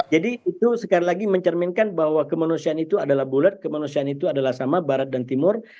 jadi itu sekali lagi mencerminkan bahwa kemanusiaan itu adalah bulat kemanusiaan itu adalah sama barat dan timur